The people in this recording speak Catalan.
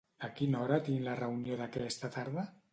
A quina hora tinc la reunió d'aquesta tarda?